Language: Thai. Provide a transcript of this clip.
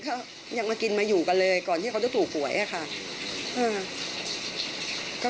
ก็ยังมากินมาอยู่กันเลยก่อนที่เขาจะถูกหวยอะค่ะ